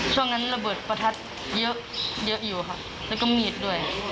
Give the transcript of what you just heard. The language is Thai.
ช่วงนั้นระเบิดประทัดเยอะอยู่ค่ะแล้วก็มีดด้วย